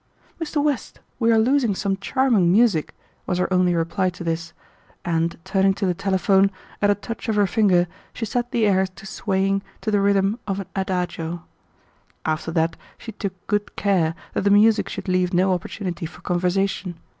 "Mr. West, we are losing some charming music," was her only reply to this, and turning to the telephone, at a touch of her finger she set the air to swaying to the rhythm of an adagio. After that she took good care that the music should leave no opportunity for conversation.